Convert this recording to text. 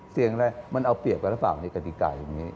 เซียงอะไรมันเอาเปรียบกับเรื้อบังคันดีการณ์อย่างนี้